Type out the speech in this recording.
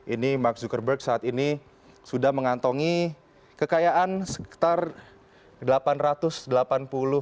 ini mark zuckerberg saat ini sudah mengantongi kekayaan sekitar delapan ratus delapan puluh